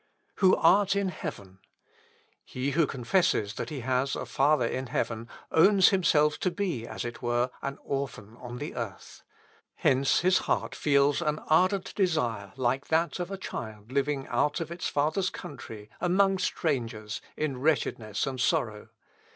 "Who art in heaven. He who confesses that he has a Father in heaven owns himself to be, as it were, an orphan on the earth. Hence his heart feels an ardent desire like that of a child living out of its father's country, among strangers, in wretchedness and sorrow.